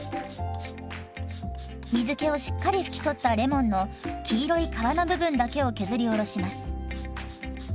水けをしっかりふき取ったレモンの黄色い皮の部分だけを削りおろします。